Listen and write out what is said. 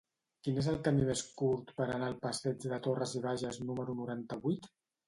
Quin és el camí més curt per anar al passeig de Torras i Bages número noranta-vuit?